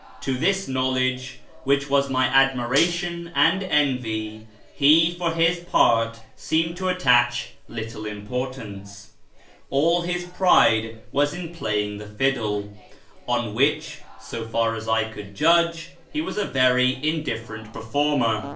To this knowledge, which was my admiration and envy, he for his part seemed to attach little importance ; all his pride was in playing the fiddle, on which, so far as I could judge, he was a very indifferent performer.